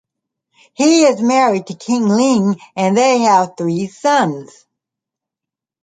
He is married to King Ling and they have three sons.